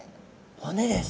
骨です。